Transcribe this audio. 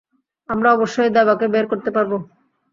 আমরা অবশ্যই দেবাকে বের করতে পারব।